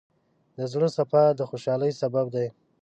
د زړۀ صفا د خوشحالۍ سبب دی.